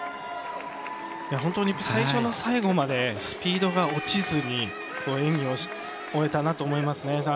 本当に最初の最後までスピードが落ちずに演技を終えたなと思いますね。